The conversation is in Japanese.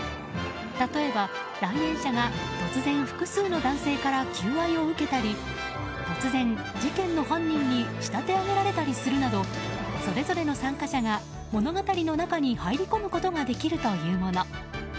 例えば、来園者が突然複数の男性から求愛を受けたり突然、事件の犯人に仕立て上げられたりするなどそれぞれの参加者が物語の中に入り込むことができるというもの。